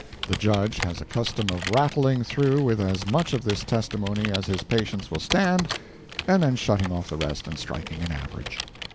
The judge has a custom of rattling through with as much of this testimony as his patience will stand, and then shutting off the rest and striking an average.